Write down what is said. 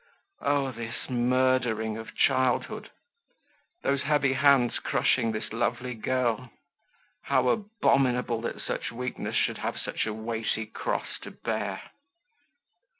Oh! this murdering of childhood; those heavy hands crushing this lovely girl; how abominable that such weakness should have such a weighty cross to bear!